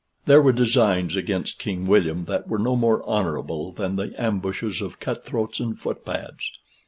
There were designs against King William that were no more honorable than the ambushes of cut throats and footpads.